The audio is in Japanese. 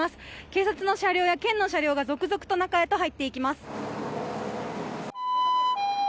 警察の車両や県の車両が続々と中へ入っていきます。